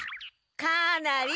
かなり。